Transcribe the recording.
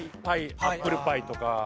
アップルパイとか。